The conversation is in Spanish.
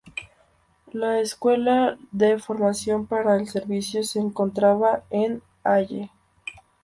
La escuela de formación para el servicio se encontraba en Halle.